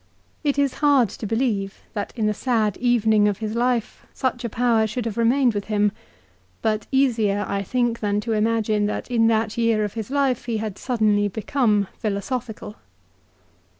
It is hard to believe that in the sad evening of his life such a power should have remained with him ; but easier I think than to imagine that in that year of his life he had suddenly become philosophical.